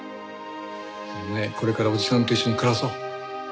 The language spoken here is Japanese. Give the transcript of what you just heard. これからおじさんと一緒に暮らそう。